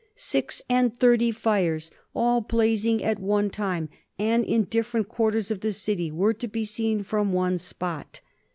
... Six and thirty fires, all blazing at one time, and in different quarters of the city, were to be seen from one spot.